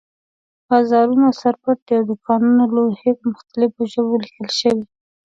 بازارونه سر پټ دي او د دوکانونو لوحې په مختلفو ژبو لیکل شوي.